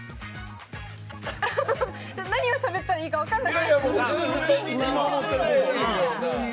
何しゃべったらいいか分からない。